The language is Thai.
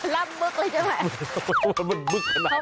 ลำมึกเลยใช่ไหม